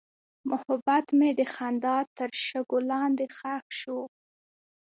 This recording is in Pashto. محبت مې د خندا تر شګو لاندې ښخ شو.